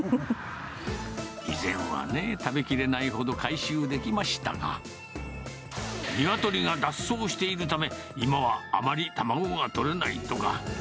以前はね、食べきれないほど回収できましたが、ニワトリが脱走しているため、今はあまり卵が取れないとか。